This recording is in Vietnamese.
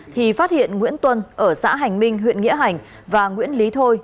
thì phát hiện nguyễn tuân ở xã hành minh huyện nghĩa hành và nguyễn lý thôi